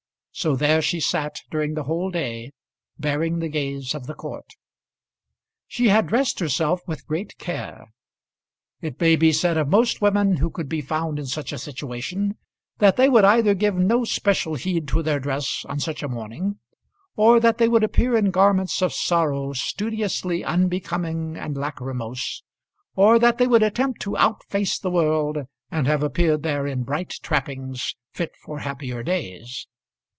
So there she sat during the whole day, bearing the gaze of the court. She had dressed herself with great care. It may be said of most women who could be found in such a situation, that they would either give no special heed to their dress on such a morning, or that they would appear in garments of sorrow studiously unbecoming and lachrymose, or that they would attempt to outface the world, and have appeared there in bright trappings, fit for happier days.